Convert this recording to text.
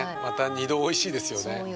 また二度おいしいですよね